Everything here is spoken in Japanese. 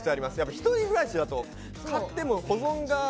一人暮らしだと、買っても保存が。